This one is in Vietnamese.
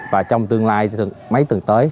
và trong tương lai mấy tuần tới